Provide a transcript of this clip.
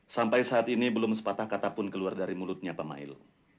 sampai saat ini belum sepatah kata pun keluar dari mulutnya pak mail